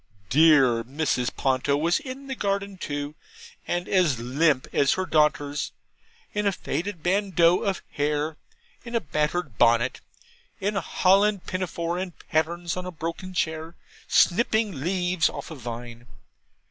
Dear Mrs. Ponto was in the garden too, and as limp as her daughters; in a faded bandeau of hair, in a battered bonnet, in a holland pinafore, in pattens, on a broken chair, snipping leaves off a vine.